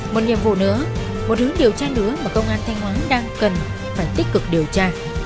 một nhiệm vụ nữa một hướng điều tra nữa mà công an thanh hóa đang cần phải tích cực điều tra